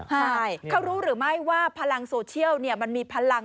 ใช่เขารู้หรือไม่ว่าพลังโซเชียลมันมีพลัง